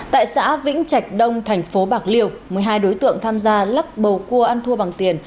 tại xã vĩnh trạch đông thành phố bạc liêu một mươi hai đối tượng tham gia lắc bầu cua ăn thua bằng tiền